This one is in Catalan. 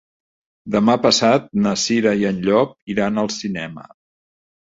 Demà passat na Cira i en Llop iran al cinema.